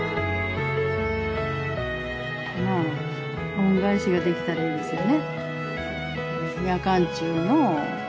恩返しができたらいいですよね。